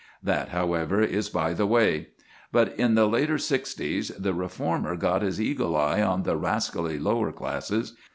That, however, is by the way. But in the later sixties the reformer got his eagle eye on the rascally lower classes.